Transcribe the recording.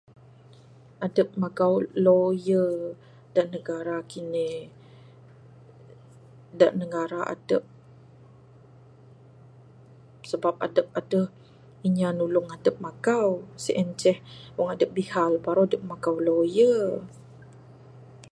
Adep magau lawyer da negara kine, da negara adep. Sebab adep adeh inya nulung adep magau. Sien ceh wang adep bihal, baru adep magau lawyer.